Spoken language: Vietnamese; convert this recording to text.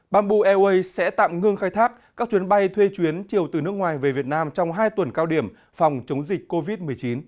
bamboo airways sẽ tạm ngưng khai thác các chuyến bay thuê chuyến chiều từ nước ngoài về việt nam trong hai tuần cao điểm phòng chống dịch covid một mươi chín